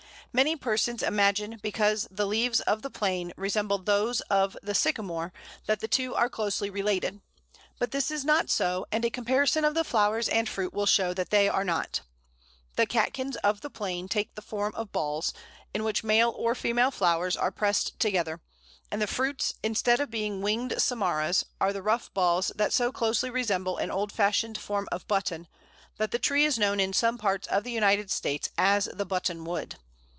Many persons imagine because the leaves of the Plane resemble those of the Sycamore that the two are closely related; but this is not so, and a comparison of the flowers and fruit will show that they are not. The catkins of the Plane take the form of balls, in which male or female flowers are pressed together; and the fruits, instead of being winged samaras, are the rough balls that so closely resemble an old fashioned form of button, that the tree is known in some parts of the United States as the Button wood.